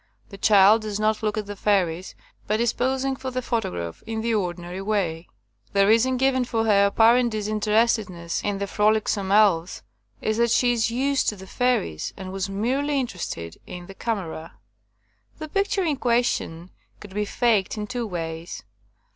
The child does not look at the fairies, but is posing for the pho tograph in the ordinary way. The reason given for her apparent disinterestedness in the frolicsome elves is that she is used to the fairies, and was merely interested in the camera. The picture in question could be 'faked' in two ways.